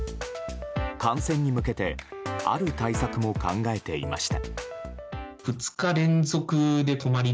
観戦に向けてある対策も考えていました。